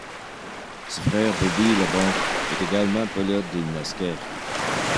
Son frère Bobby Labonte est également pilote de Nascar.